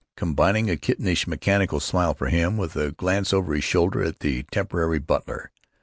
combining a kittenish mechanical smile for him with a glance over his shoulder at the temporary butler.